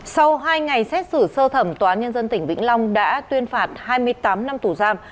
sau hai ngày xét xử sơ thẩm tòa án nhân dân tỉnh vĩnh long đã tuyên phạt hai mươi tám năm tù giam